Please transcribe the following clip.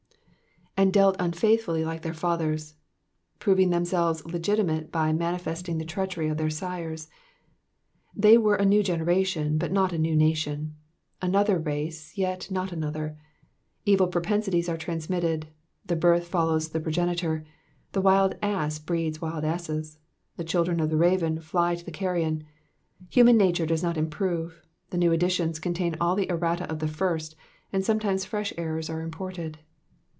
'''And dealt unfaithfully like their fathers,^'' proving themselves legitimate by manifesting the treachery of their sires. They were a new generation, but not a new nation — another race yet not another. Evil propensities are transmitted ; the birth follows the progenitor ; the wild ass breeds wild asses ; the children of the raven fly to the carrion. Human nature does not improve, the new editions contain all the errata of the first, and sometimes fresh errors are imported.